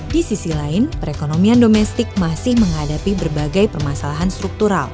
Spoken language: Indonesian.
di sisi lain perekonomian domestik masih menghadapi berbagai permasalahan struktural